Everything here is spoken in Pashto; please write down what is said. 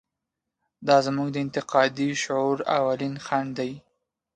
دا زموږ د انتقادي شعور اولین خنډ دی.